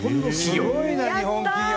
すごいな日本企業！